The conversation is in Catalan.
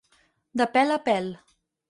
De pèl a pèl.